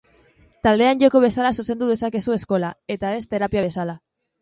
Taldean joko bezala zuzendu dezakezu eskola, eta ez terapia bezala.